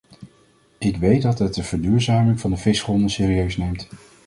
Ik weet dat het de verduurzaming van de visgronden serieus neemt.